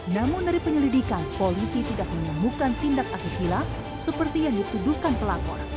namun dari penyelidikan polisi tidak menemukan tindak asusila seperti yang dituduhkan pelapor